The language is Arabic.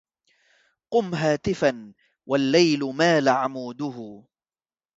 قم هاتها والليل مال عموده